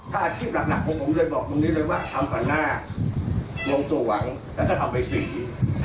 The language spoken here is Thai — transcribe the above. ถ้าอาชีพหลักผมเลยบอกความตอนนี้เลยว่าทำขวานนาคลงสวงแล้วก็ทำไปสี